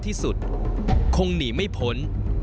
ที่สุดคงหนีไม่พ้น